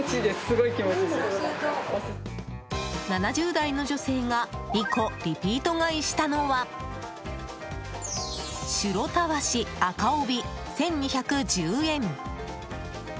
７０代の女性が２個リピート買いしたのは棕櫚たわし赤帯、１２１０円。